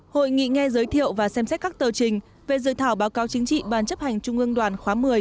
hội nghị nghe giới thiệu và xem xét các tờ trình về dự thảo báo cáo chính trị ban chấp hành trung ương đoàn khóa một mươi